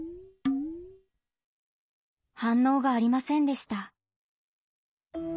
反応がありませんでした。